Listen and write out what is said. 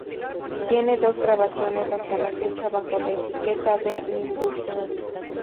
Tiene dos grabaciones hasta la fecha bajo la etiqueta de Nimbus.